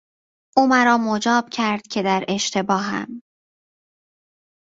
او مرا مجاب کرد که در اشتباهم.